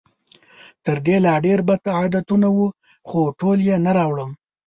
تر دې لا ډېر بد عادتونه وو، خو ټول یې نه راوړم.